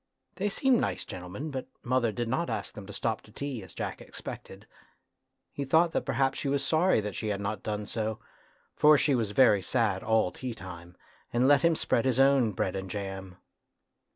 They seemed nice gentle men, but mother did not ask them to stop to tea, as Jack expected. He thought that perhaps she was sorry that she had not done so, for she was very sad all tea time, and let him spread his own bread and jam.